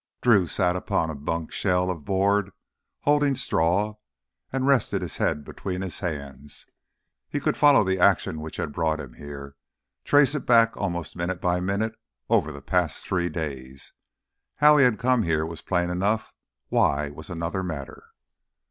Drew sat up on a bunk shell of board holding straw, and rested his head between his hands. He could follow the action which had brought him here, trace it back almost minute by minute over the past three days. How he had come here was plain enough; why was another matter.